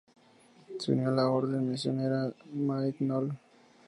Se unió a la orden misionera Maryknoll.